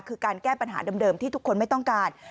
คือการแก้ปัญหาเดิมที่ทุกคนไม่ต้องการ